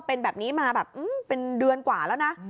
เป็นแบบนี้มาแบบเป็นเดือนกว่าแล้วนะ